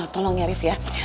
tolong ya rif ya